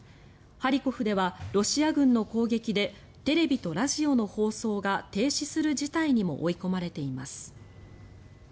ハリコフではロシア軍の攻撃でテレビとラジオの放送が停止する事態にも追い込まれています。